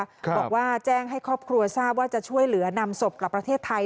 บอกว่าแจ้งให้ครอบครัวทราบว่าจะช่วยเหลือนำศพกลับประเทศไทย